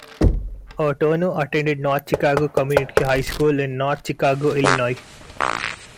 Turner attended North Chicago Community High School in North Chicago, Illinois.